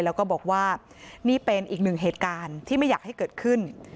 แล้วก็บอกว่านี่เป็นอีกหนึ่งเหตุการณ์ที่ไม่อยากให้เกิดขึ้น